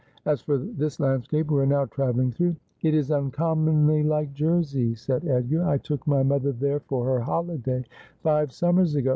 As for this landscape we are now^ travelling through '' It is uncommonly like Jersey, said Edgar. ' I took my mother there for her holiday five summers ago.